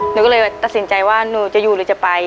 หนูก็เลยตัดสินใจว่าหนูจะอยู่หรือจะไป